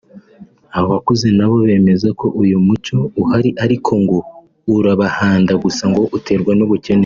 Abakuze nabo bemeza ko uyu muco uhari ariko ngo urabahanda gusa ngo uterwa n’ubukene